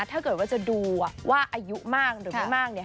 ถ้าเกิดว่าจะดูว่าอายุมากหรือไม่มากเนี่ย